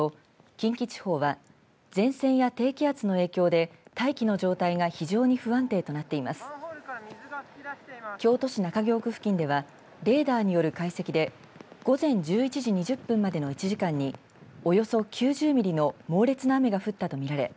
近畿地方は前線や低気圧の影響で大気の状態が非常に不安定となっていて京都市中京区付近ではレーダーによる解析で午前１１時２０分までの１時間におよそ９０ミリの猛烈な雨が降ったと見られます。